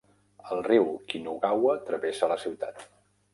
El riu Kinugawa travessa la ciutat.